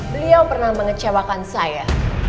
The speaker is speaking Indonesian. beliau pernah mengecewakan saya